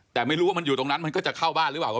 แต่ไม่รู้ว่ามันอยู่ตรงนั้นมันก็จะเข้าบ้านหรือเปล่า